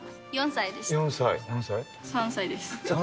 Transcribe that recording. ３歳です。